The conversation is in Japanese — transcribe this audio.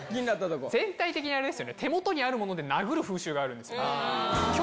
全体的にあれですよね、手元にあるもので殴る風習があるんですよ。